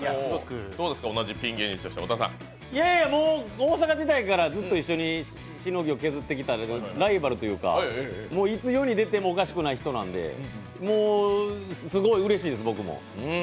大阪時代からずっと一緒にしのぎを削ってきたライバルというか、いつ世に出てもおかしくない人なんですごいうれしいです、僕も。